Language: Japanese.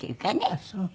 あっそう。